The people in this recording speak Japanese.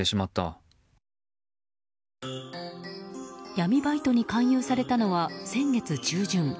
闇バイトに勧誘されたのは先月中旬。